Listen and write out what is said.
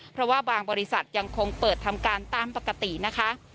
เพราะว่าบางบริษัทยังคงเปิดทำการตามปกตินะคะ